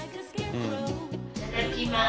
いただきます。